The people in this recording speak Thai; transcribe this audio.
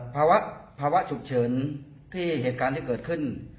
ภาวะภาวะฉุกเฉินที่เหตุการณ์ที่เกิดขึ้น